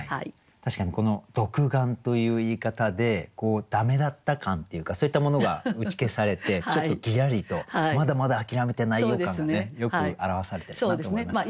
確かにこの「独眼」という言い方で駄目だった感っていうかそういったものが打ち消されてちょっとギラリとまだまだ諦めてないよ感がねよく表されてるなと思いましたね。